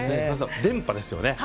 連覇ですよね。